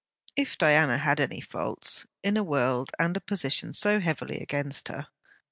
If Diana had any faults, in a world and a position so heavily against her!